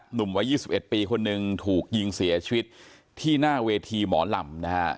หนุ่มวัย๒๑ปีคนหนึ่งถูกยิงเสียชีวิตที่หน้าเวทีหมอลำนะฮะ